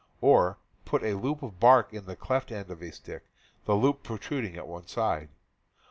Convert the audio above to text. Or, put a loop of bark in the cleft end of a stick, the loop pro jecting at one side.